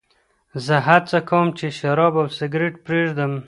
زه هڅه کوم چې شراب او سګرېټ پرېږدم.